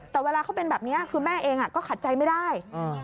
แต่เวลาเขาเป็นแบบนี้คือแม่เองก็ขัดใจไม่ได้